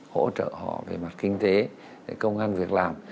hỗ trợ họ về mặt kinh tế công an việc làm